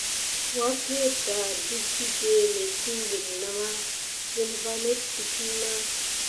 Wuake táte ɗe biɗé mintikiti mà kilva net dik na.